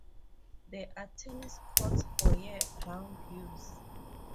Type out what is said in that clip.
There are tennis courts for year-round use.